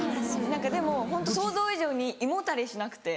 何かでもホント想像以上に胃もたれしなくて。